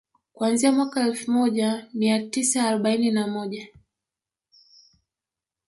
kuanzia mwaka mwaka elfu moja mia tisa arobaini na moja